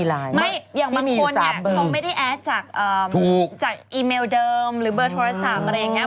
อย่างบางคนเนี่ยเขาไม่ได้แอดจากอีเมลเดิมหรือเบอร์โทรศัพท์อะไรอย่างนี้